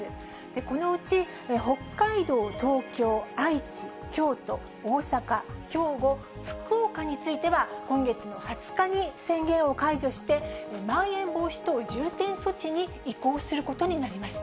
このうち北海道、東京、愛知、京都、大阪、兵庫、福岡については、今月の２０日に宣言を解除して、まん延防止等重点措置に移行することになりました。